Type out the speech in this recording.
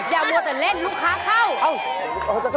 อย่ามิวแต่เล่นลูกค้าเข้า